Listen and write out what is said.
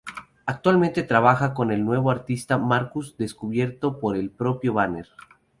Actualmente trabaja con el nuevo artista Marcus, descubierto por el propio Banner.